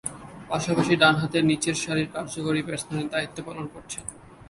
পাশাপাশি ডানহাতে নিচেরসারির কার্যকরী ব্যাটসম্যানের দায়িত্ব পালন করেছেন।